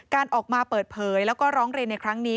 การออกมาเปิดเผยแล้วก็ร้องเรียนในครั้งนี้